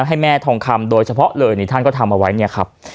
ให้แม่ทองคำโดยเฉพาะเลยนี่ท่านก็ทำเอาไว้เนี่ยครับ